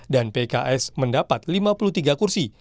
dan pks mendapat lima puluh tiga kursi